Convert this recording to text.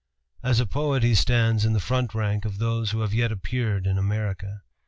As a poet he stands in the front rank of those who have yet appeared in America.